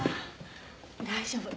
大丈夫。